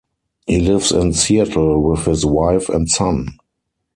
He lives in Seattle with his wife and son.